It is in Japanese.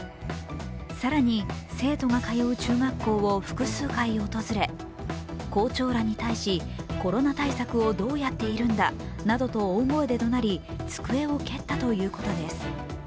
更に、生徒が通う中学校を複数回訪れ、校長らに対しコロナ対策をどうやっているんだなどと大声でどなり、机を蹴ったということです。